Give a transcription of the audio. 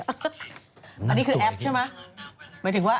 อันนี้คือแอปใช่ไหม